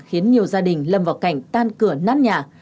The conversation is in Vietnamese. khiến nhiều gia đình lâm vào cảnh tan cửa nát nhà